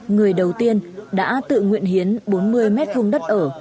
người đầu tiên đã tự nguyện hiến bốn mươi mét khung đất ở